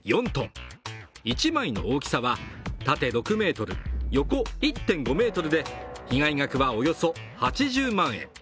１枚の大きさは縦６ｍ、横１．５ｍで被害額は、およそ８０万円。